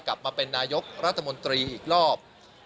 กลับมาเป็นนายกรัฐมนตรีอีกรอบ